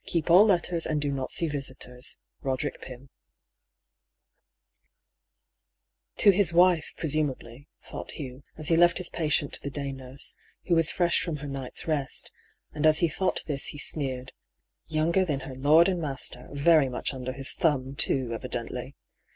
Keep all letters^ and do not see visitors. Roderick Pym^^ "To his wife, presumably," thought Hugh, as he left his patient to the day nurse, who was fresh from her night's rest; and as he thought this he sneered: " Younger than her lord and master ; very much under his thumb, too, evidently.